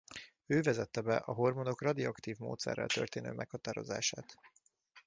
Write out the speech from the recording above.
Ő vezette be a hormonok radioaktív módszerrel történő meghatározását.